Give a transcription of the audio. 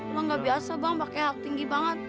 lu gak biasa bang pake hak tinggi banget